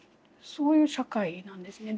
そういう社会なんですね。